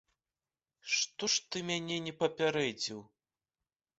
Што ж ты мяне не папярэдзіў?!